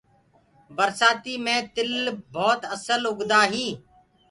برسآتي مي تِل ڀوت اسل اُگدآ هينٚ۔